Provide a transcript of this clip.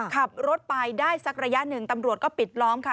ขับรถไปได้สักระยะหนึ่งตำรวจก็ปิดล้อมค่ะ